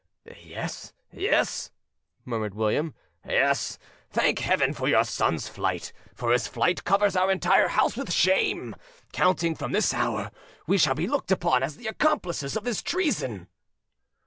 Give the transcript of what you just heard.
"Yes, yes," murmured William,—"yes, thank Heaven for your son's flight; for his flight covers our entire house with shame; counting from this hour, we shall be looked upon as the accomplices of his treason."